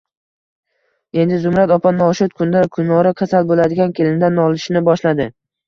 Endi Zumrad opa noshud, kunda-kunora kasal bo`ladigan kelinidan nolishni boshladi